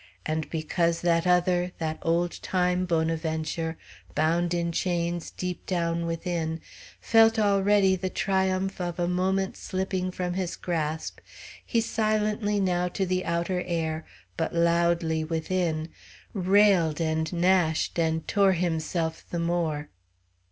And because that other, that old time Bonaventure, bound in chains deep down within, felt already the triumph of a moment slipping from his grasp, he silently now to the outer air, but loudly within, railed and gnashed and tore himself the more.